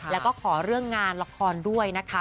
แล้วก็ขอเรื่องงานละครด้วยนะคะ